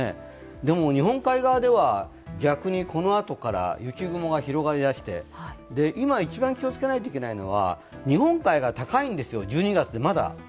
でも、日本海側では逆にこのあとから雪雲が広がり出して今、一番気をつけないといけないのは日本海がまだ水温が高いんですよ。